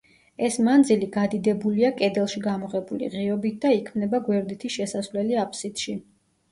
ეს მანძილი გადიდებულია კედელში გამოღებული ღიობით და იქმნება გვერდითი შესასვლელი აბსიდში.